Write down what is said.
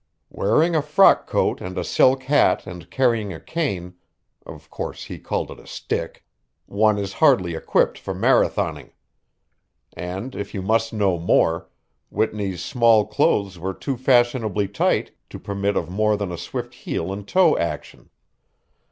Wearing a frock coat and a silk hat and carrying a cane (of course he called it stick) one is hardly equipped for marathoning. And if you must know more, Whitney's small clothes were too fashionably tight to permit of more than a swift heel and toe action.